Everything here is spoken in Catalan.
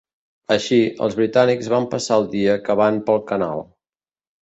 Així, els britànics van passar el dia cavant pel canal.